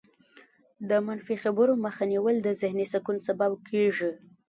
د منفي خبرو مخه نیول د ذهني سکون سبب کېږي.